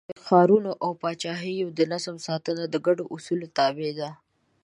د ښارونو او پاچاهیو د نظم ساتنه د ګډو اصولو تابع ده.